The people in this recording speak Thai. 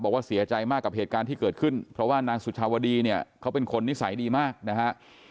บอกว่าเสียใจมากกับเหตุการณ์ที่เกิดขึ้นเพราะว่านางสุชาวดีเนี่ยเขาเป็นคนนิสัยดีมากนะฮะ